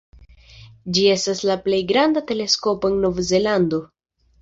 Ĝi estas la plej granda teleskopo en Nov-Zelando.